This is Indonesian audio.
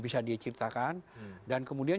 bisa diceritakan dan kemudian